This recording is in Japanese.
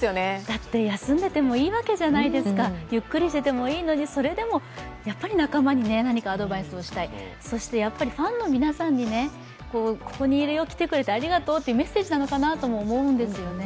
だって休んでいてもいいわけじゃないですかゆっくりしていもいいのにそれでも仲間に何かアドバイスをしたい、そしてファンの皆さんにここにいるよ、来てくれてありがとうというメッセージなのかなとも思うんですよね。